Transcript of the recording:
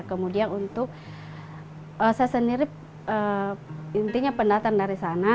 kemudian untuk saya sendiri intinya pendatang dari sana